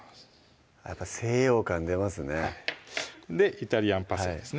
やっぱ西洋感出ますねイタリアンパセリですね